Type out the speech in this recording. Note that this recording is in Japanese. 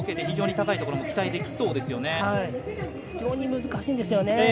非常に高いところも期待できそうですけどね。